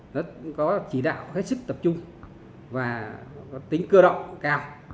nó có chỉ đạo khách sức tập trung và có tính cơ động cao